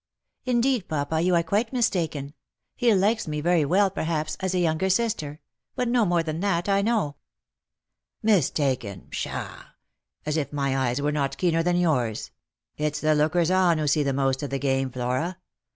Indeed, papa, you are quite mistaken. He likes me very well, perhaps, as a younger sister ; but no more than that, I know." " Mistaken ! pshaw ! as if my eyes were not keener than yours. It's the lookers on who see the most of the game, Flora.